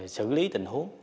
xử lý tình huống